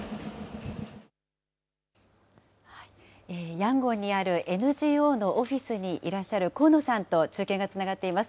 ヤンゴンにあるＮＧＯのオフィスにいらっしゃる河野さんと中継がつながっています。